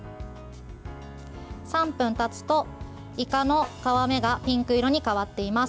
３分たつと、いかの皮目がピンク色に変わっています。